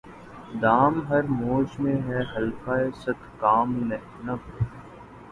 دام ہر موج میں ہے حلقۂ صد کام نہنگ